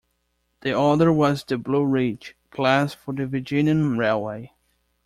The other was the "Blue Ridge" class for the Virginian Railway.